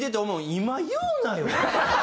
「今言うなよ」。